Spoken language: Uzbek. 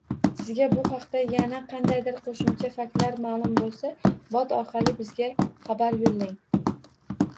Sizga bu haqda yana qandaydir qoʻshimcha faktlar maʼlum boʻlsa, bot orqali bizga xabar yoʻllang.